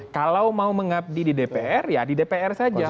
kalau mau mengabdi di dpr ya di dpr saja